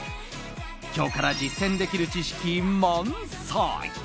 今日から実践できる知識満載。